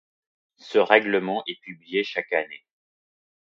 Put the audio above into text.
Ce règlement est publié chaque année.